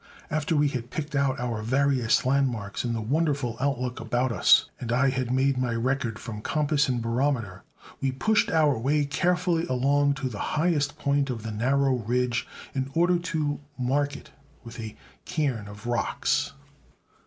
After we had picked out our various landmarks in the wonderful outlook about us, and I had made my record from compass and barometer, we pushed our way carefully along to the highest point of the narrow ridge, in order to mark it with a cairn of rocks.